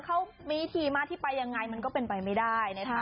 เขามีทีมาที่ไปยังไงมันก็เป็นไปไม่ได้นะคะ